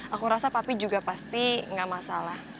aku rasa papi juga pasti nggak masalah